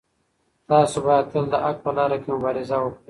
تاسو باید تل د حق په لاره کې مبارزه وکړئ.